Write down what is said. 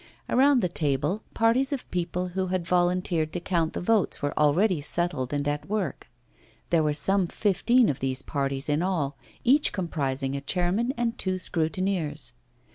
Around the table, parties of people who had volunteered to count the votes were already settled and at work; there were some fifteen of these parties in all, each comprising a chairman and two scrutineers.